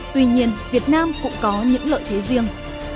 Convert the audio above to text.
tuy nhiên việt nam cũng có những lợi thế riêng